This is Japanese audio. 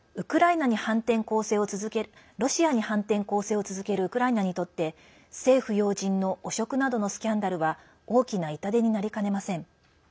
ロシアに反転攻勢を続けるウクライナにとって政府要人の汚職などのスキャンダルは大きな痛手になりかねません。